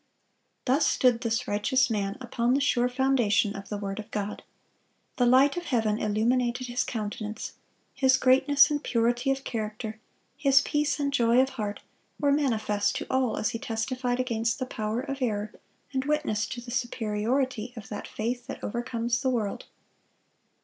(221) Thus stood this righteous man, upon the sure foundation of the word of God. The light of heaven illuminated his countenance. His greatness and purity of character, his peace and joy of heart, were manifest to all as he testified against the power of error, and witnessed to the superiority of that faith that overcomes the world.